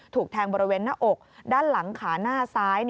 ถูกแทงบริเวณหน้าอกด้านหลังขาหน้าซ้าย